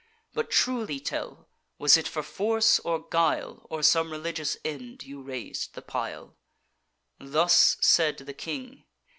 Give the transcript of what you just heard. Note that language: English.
But truly tell, was it for force or guile, Or some religious end, you rais'd the pile?' Thus said the king.